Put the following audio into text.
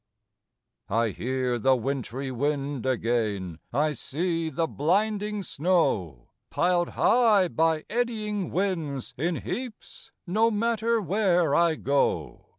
I hear the wintry wind again, I see the blinding snow, Pil'd high, by eddying winds, in heaps, No matter where I go.